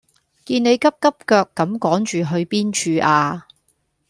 見你急急腳咁趕住去邊處呀